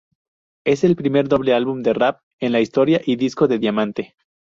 Es el primer doble álbum de rap en la historia, y Disco de Diamante.